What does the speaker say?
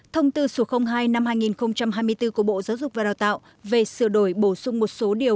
thông tư số hai năm hai nghìn hai mươi bốn của bộ giáo dục và đào tạo về sửa đổi bổ sung một số điều